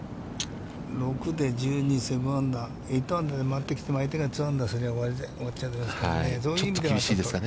６で１２、７アンダー、８アンダーで回ってきても、相手が２アンダーしたら、終わっちゃいますからね。